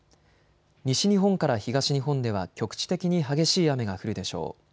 西日本から東日本では局地的に激しい雨が降るでしょう。